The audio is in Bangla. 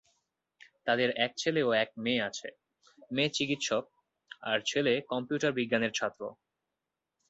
তাদের এক ছেলে ও এক মেয়ে আছে: মেয়ে চিকিৎসক; আর ছেলে কম্পিউটার বিজ্ঞানের ছাত্র।